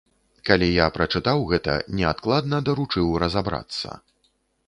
Калі я прачытаў гэта, неадкладна даручыў разабрацца.